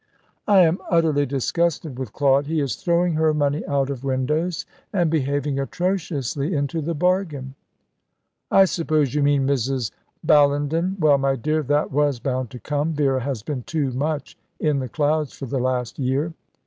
"I am utterly disgusted with Claude. He is throwing her money out of windows, and behaving atrociously into the bargain." "I suppose you mean Mrs. Bellenden. Well, my dear, that was bound to come. Vera has been too much in the clouds for the last year.